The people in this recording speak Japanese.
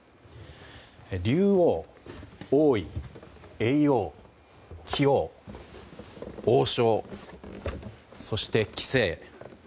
竜王、王位、叡王、棋王、王将そして、棋聖。